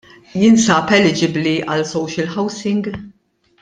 Jinsab eligibbli għal social housing?